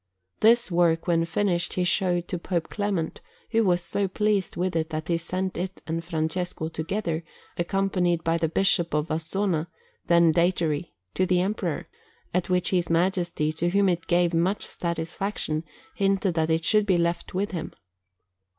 This work, when finished, he showed to Pope Clement, who was so pleased with it that he sent it and Francesco together, accompanied by the Bishop of Vasona, then Datary, to the Emperor; at which his Majesty, to whom it gave much satisfaction, hinted that it should be left with him.